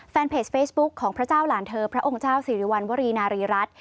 แฟนเพจเฟซบุ๊คของพระเจ้าหลานเธอพระองค์เจ้าสิริวัณวรีนารีรัฐ